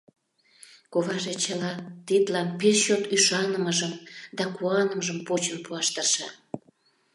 Коваже чыла тидлан пеш чот ӱшанымыжым да куанымыжым почын пуаш тырша.